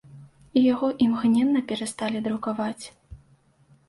І яго імгненна перасталі друкаваць.